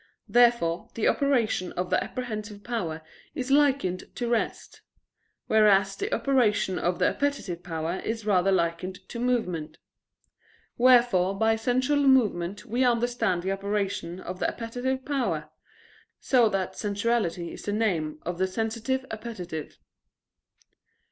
Therefore the operation of the apprehensive power is likened to rest: whereas the operation of the appetitive power is rather likened to movement. Wherefore by sensual movement we understand the operation of the appetitive power: so that sensuality is the name of the sensitive appetite.